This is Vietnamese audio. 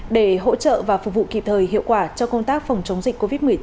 để hỗ trợ và phục vụ kịp thời hiệu quả cho công tác phòng chống dịch covid một mươi chín